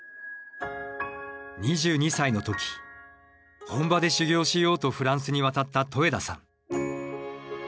２２歳の時本場で修行しようとフランスに渡った戸枝さん。